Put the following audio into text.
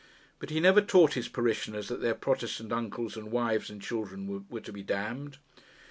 But he never taught his parishioners that their Protestant uncles and wives and children were to be damned.